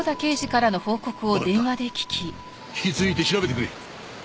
引き続いて調べてくれ。